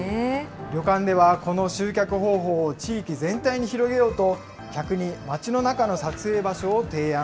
旅館では、この集客方法を地域全体に広げようと、客に町の中の撮影場所を提案。